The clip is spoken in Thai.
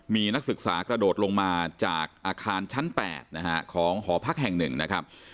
มีนักศึกษากระโดดลงมาจากอาคารชั้น๘นะฮะของหอพักแห่งหนึ่งนะครับ